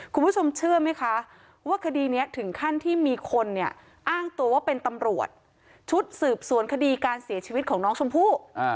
คุณผู้ชมเชื่อไหมคะว่าคดีนี้ถึงขั้นที่มีคนเนี่ยอ้างตัวว่าเป็นตำรวจชุดสืบสวนคดีการเสียชีวิตของน้องชมพู่